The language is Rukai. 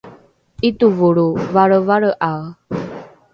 ’itovolro valrevalre’ae